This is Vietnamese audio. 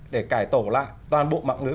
để cải tổ lại toàn bộ mạng lưới